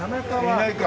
いないか。